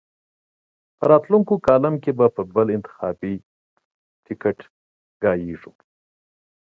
په راتلونکي کالم کې پر بل انتخاباتي ټکټ غږېږو.